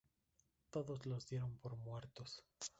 Todos los dieron por muertos.